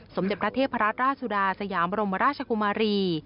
สมเด็จพระเทพรัตนราชสุดาสยามบรมราชกุมารี